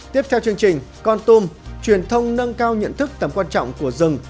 tiếp theo chương trình con tum truyền thông nâng cao nhận thức tầm quan trọng của rừng